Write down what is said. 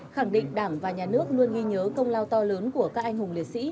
khẳng định đảng và nhà nước luôn ghi nhớ công lao to lớn của các anh hùng liệt sĩ